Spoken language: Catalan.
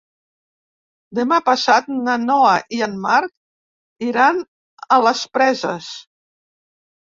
Demà passat na Noa i en Marc iran a les Preses.